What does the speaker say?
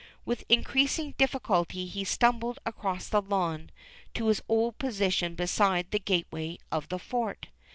With increasing difficulty he stumbled across the lawn to his old position beside the gateway of the fort.